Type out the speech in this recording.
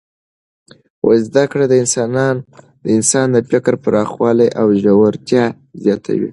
زده کړه د انسان د فکر پراخوالی او ژورتیا زیاتوي.